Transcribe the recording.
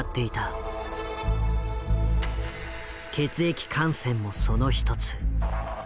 血液感染もその一つ。